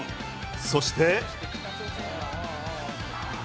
そして。